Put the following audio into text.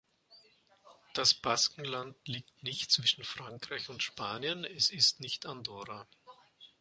Das Baskenland liegt nicht zwischen Frankreich und Spanien, es ist nicht Andorra.